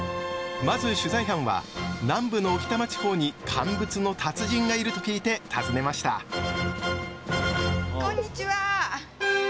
まず取材班は南部の置賜地方に「乾物の達人」がいると聞いて訪ねましたこんにちは！